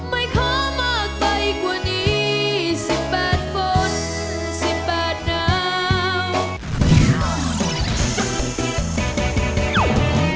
ไม่ข้อมากไปกว่านี้